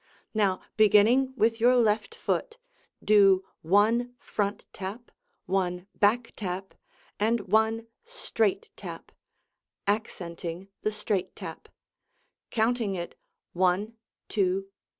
Now beginning with your left foot, do one front tap, one back tap, and one straight tap, accenting the straight tap counting it 1, 2, 3.